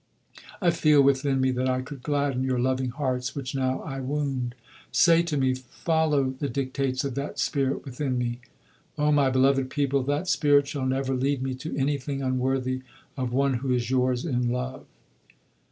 I feel within me that I could gladden your loving hearts which now I wound. Say to me, 'Follow the dictates of that spirit within thee.' Oh my beloved people, that spirit shall never lead me to anything unworthy of one who is yours in love."